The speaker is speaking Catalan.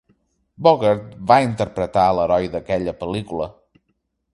Bogart va interpretar l'heroi d'aquella pel·lícula.